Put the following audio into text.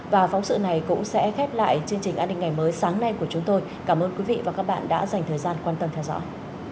và phóng sự này cũng sẽ khép lại chương trình an ninh ngày mới sáng nay của chúng tôi cảm ơn quý vị và các bạn đã dành thời gian quan tâm theo dõi